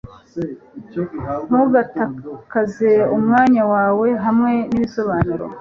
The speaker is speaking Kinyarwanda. ntugatakaze umwanya wawe hamwe n'ibisobanuro